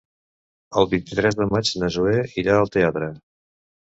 El vint-i-tres de maig na Zoè irà al teatre.